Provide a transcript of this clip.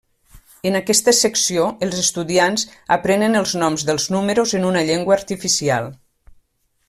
En aquesta secció els estudiants aprenen els noms dels números en una llengua artificial.